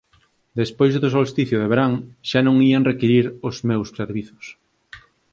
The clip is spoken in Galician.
despois do solsticio de verán xa non ían requirir os meus servizos.